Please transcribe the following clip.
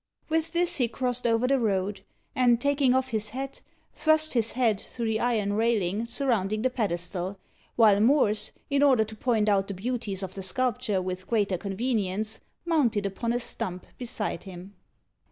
With this he crossed over the road; and, taking off his hat, thrust his head through the iron railing surrounding the pedestal, while Morse, in order to point out the beauties of the sculpture with greater convenience, mounted upon a stump beside him.